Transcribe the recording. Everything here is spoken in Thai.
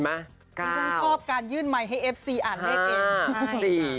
มันช่องชอบการยื่นใหม่ให้เอฟซีอ่านให้เก่ง